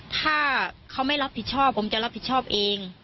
ถ้าเขาไม่รับผิดชอบผมจะรับผิดชอบเอง